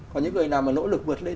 còn những người nào mà nỗ lực vượt lên